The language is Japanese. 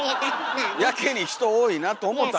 やけに人多いなと思ったんよ。